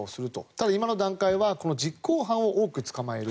ただ、今の段階は実行犯を多く捕まえる。